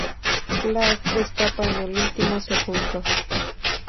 Flagg escapa en el último segundo.